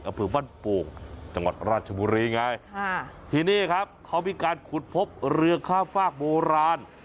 อำเภอบ้านโป่งจังหวัดราชบุรีไงค่ะที่นี่ครับเขามีการขุดพบเรือข้ามฝากโบราณ